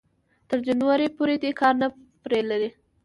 تر جنوري پورې دې کار نه پرې لري